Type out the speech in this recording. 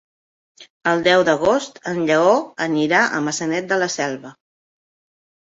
El deu d'agost en Lleó anirà a Maçanet de la Selva.